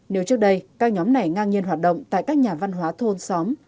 nếu trước đây các nhóm này ngang nhiên hoạt động tại các nhà văn hóa thôn xóm